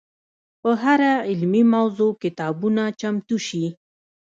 په هره علمي موضوع کتابونه چمتو شي.